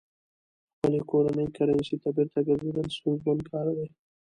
خپلې کورنۍ کرنسۍ ته بېرته ګرځېدل ستونزمن کار دی.